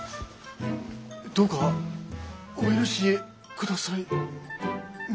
どうかお許しくださりませ。